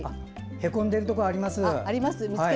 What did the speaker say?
へこんでいるところがあります。